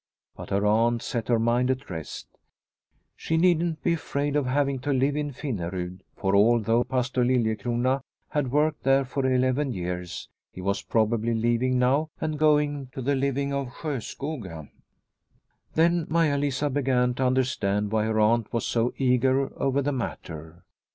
But her aunt set her mind at rest. She needn't be afraid of having to live in Finnerud, for, although Pastor Liliecrona had worked there for eleven years, he was probably leaving now and going to the living of Sjoskoga. Then Maia Lisa began to understand why her aunt was so eager over the matter.